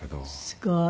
すごい。